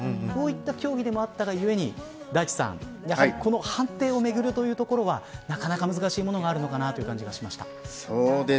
こういった競技でもあったゆえに大地さんやはりこの判定を巡るところはなかなか難しいところがあるかなという感じがしました。